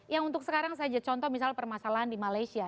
yang untuk sekarang saja contoh misalnya permasalahan di malaysia